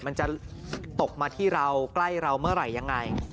มันจะตกมาที่เรากล้ายรังไหมลัยยังไง